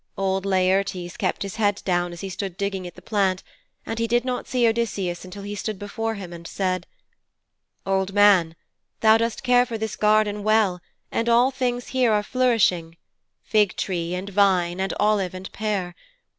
Old Laertes kept his head down as he stood digging at the plant, and he did not see Odysseus until he stood before him and said: 'Old man, thou dost care for this garden well and all things here are flourishing fig tree, and vine, and olive, and pear.